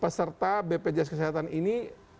peserta bpjs kesehatan ini